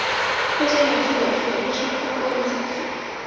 这些元素有时也被称作过渡金属。